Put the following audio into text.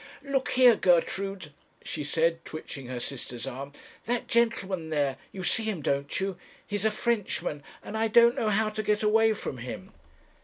'Look here, Gertrude,' she said, twitching her sister's arm; 'that gentleman there you see him, don't you? he's a Frenchman, and I don't know how to get away from him.'